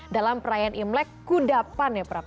dalam perayaan imlek kudapan ya prap